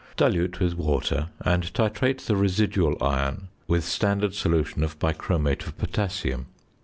Dilute with water, and titrate the residual iron with standard solution of bichromate of potassium.